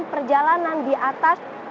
perjalanan di atas